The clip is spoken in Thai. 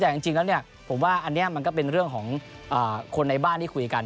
อันนี้มันก็เป็นเรื่องของคนในบ้านที่คุยกัน